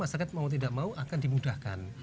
masyarakat mau tidak mau akan dimudahkan